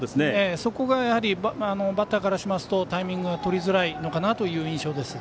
そこがバッターからしますとタイミングとりづらいのかなという印象です。